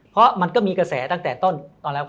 เพราะมันก็มีกระแสตั้งแต่ต้นแล้ว